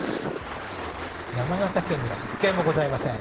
山形県には１件もございません。